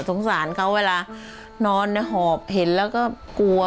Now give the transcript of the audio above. สงสารเขาเวลานอนในหอบเห็นแล้วก็กลัว